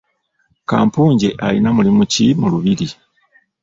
Kampujje alina mulimu ki mu lubiri?